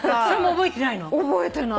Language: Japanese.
覚えてないの。